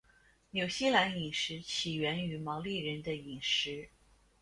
纽西兰饮食起源于毛利人的饮食。